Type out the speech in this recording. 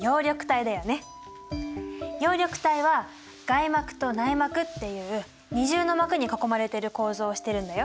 葉緑体は外膜と内膜っていう二重の膜に囲まれてる構造をしてるんだよ。